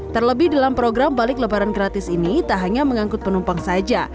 terlebih dalam program balik lebaran gratis ini tak hanya mengangkut penumpang saja